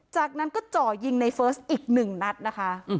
จากนั้นก็จ่อยิงในเฟิร์สอีกหนึ่งนัดนะคะ